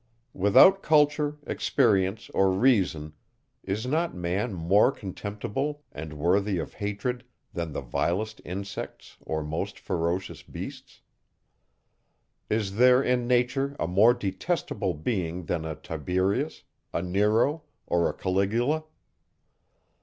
Without culture, experience, or reason, is not man more contemptible and worthy of hatred, than the vilest insects or most ferocious beasts? Is there in nature a more detestable being, than a Tiberius, a Nero, or a Caligula?